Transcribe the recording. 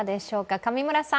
上村さん！